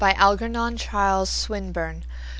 Algernon Charles Swinburne 738.